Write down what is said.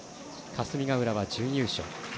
霞ヶ浦は準決勝。